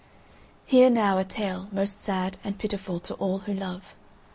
Hear now a tale most sad and pitiful to all who love.